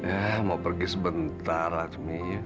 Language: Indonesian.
eh mau pergi sebentar azmi ya